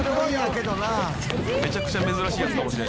「めちゃくちゃ珍しいやつかもしれん」